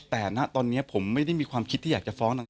แต่ณตอนนี้ผมไม่ได้มีความคิดที่อยากจะฟ้อง